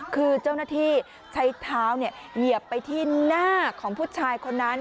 คือเจ้าหน้าที่ใช้เท้าเหยียบไปที่หน้าของผู้ชายคนนั้น